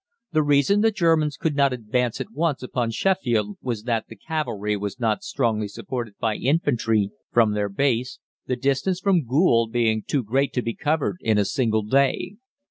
The reason the Germans could not advance at once upon Sheffield was that the cavalry was not strongly supported by infantry from their base, the distance from Goole being too great to be covered in a single day.